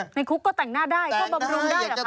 ในคุกก็แต่งหน้าได้ก็บำรุงได้เหรอคะ